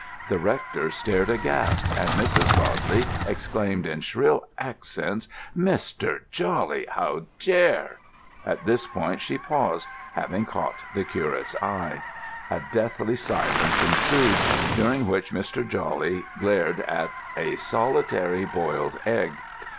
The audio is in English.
The rector stared aghast and Mrs. Bodley exclaimed in shrill accents: "Mr. Jawley, how dare——" At this point she paused, having caught the curate's eye. A deathly silence ensued, during which Mr. Jawley glared at a solitary boiled egg.